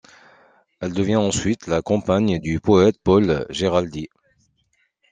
Elle devient ensuite la compagne du poète Paul Géraldy.